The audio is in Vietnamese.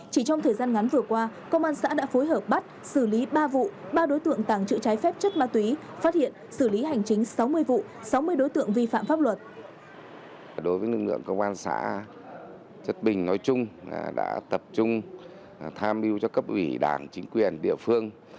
chất bình nói chung đã tập trung tham mưu cho cấp ủy đảng chính quyền địa phương